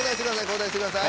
交代してください。